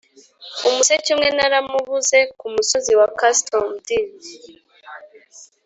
'umuseke umwe naramubuze kumusozi wa custom'd,